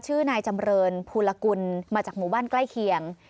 ชื่อนายจำเรินภูลกุลมาจากหมู่บ้านใกล้เคียง